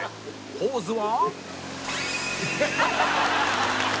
ポーズは「」